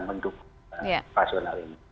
mendukung pasional ini